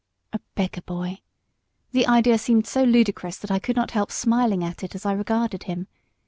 A beggar boy! The idea seemed so ludicrous, that I could not help smiling at it as I regarded him.